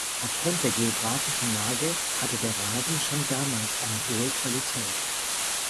Auf Grund der geografischen Lage hatte der Rasen schon damals eine hohe Qualität.